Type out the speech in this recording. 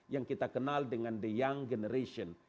yang kita kenal dengan the young generation